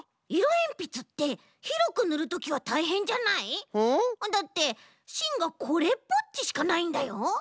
えんぴつってひろくぬるときはたいへんじゃない？だってしんがこれっぽっちしかないんだよ。